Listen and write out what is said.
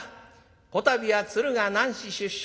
こたびは鶴が男子出生。